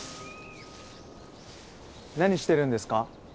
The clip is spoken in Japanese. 何してるんですか？